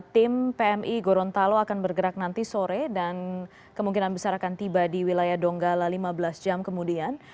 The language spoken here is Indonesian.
tim pmi gorontalo akan bergerak nanti sore dan kemungkinan besar akan tiba di wilayah donggala lima belas jam kemudian